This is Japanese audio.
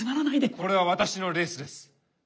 これは私のレースです。